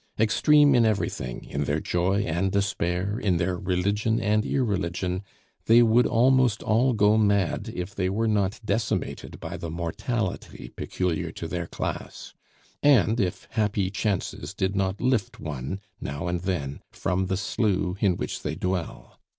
Extreme in everything in their joy and despair, in their religion and irreligion they would almost all go mad if they were not decimated by the mortality peculiar to their class, and if happy chances did not lift one now and then from the slough in which they dwell.